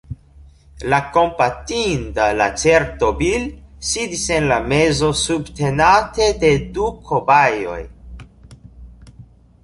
La kompatinda lacerto Bil sidis en la mezo subtenate de du kobajoj